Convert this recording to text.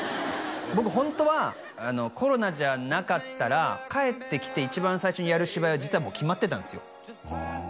僕ホントはコロナじゃなかったら帰ってきて一番最初にやる芝居は実はもう決まってたんですよ